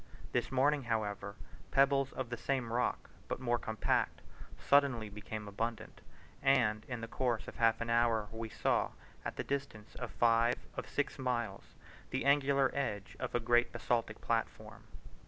This morning, however, pebbles of the same rock, but more compact, suddenly became abundant, and in the course of half an hour we saw, at the distance of five of six miles, the angular edge of a great basaltic platform.